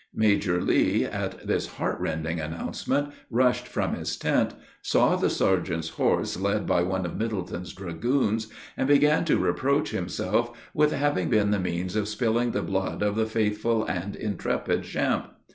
Major Lee, at this heart rending announcement, rushed from his tent, saw the sergeant's horse led by one of Middleton's dragoons, and began to reproach himself with having been the means of spilling the blood of the faithful and intrepid Champe.